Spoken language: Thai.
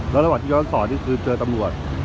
แล้วระหว่างที่ย้อนสอนนี่คือเจอตำรวจ